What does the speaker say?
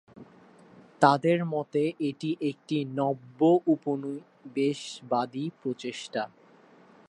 তাদের মতে, এটি একটি নব্য-উপনিবেশবাদী প্রচেষ্টা।